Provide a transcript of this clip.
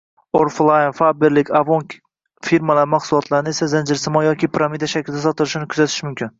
«Oriflame», «Faberlic», «Avon» firmalari mahsulotlarini esa zanjirsimon yoki piramida shaklida sotilishini kuzatish mumkin